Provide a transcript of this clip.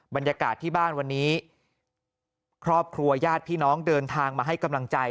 บรรยากาศที่บ้านวันนี้ครอบครัวญาติพี่น้องเดินทางมาให้กำลังใจ